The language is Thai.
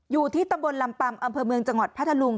อยู่ที่ตำบลลำปัมอำเภอเมืองจังหวัดพัทธลุง